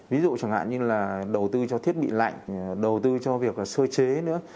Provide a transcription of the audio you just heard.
ví dụ chẳng hạn như là đầu tư cho thiết bị lạnh đầu tư cho việc sơ chế nữa